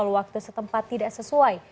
waktu setempat tidak sesuai